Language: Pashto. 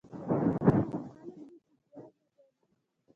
غله هغه خلک دي چې زیار نه ګالي